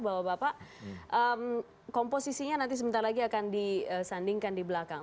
bapak bapak komposisinya nanti sebentar lagi akan disandingkan di belakang